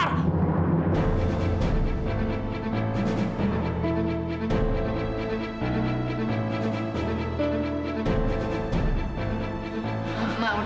namun acaster bina satu kulit